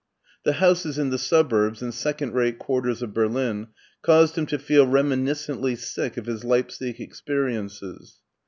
'* The houses in the suburbs and second rate quarters of Berlin caused him to feel reminis^ cently sick of his Leipsic experiences.